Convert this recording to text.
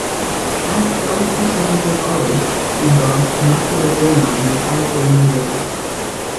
At Swansea Technical College he got a National Diploma in mechanical engineering.